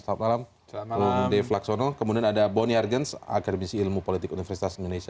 selamat malam bung dev laksono kemudian ada bonny argens akademisi ilmu politik universitas indonesia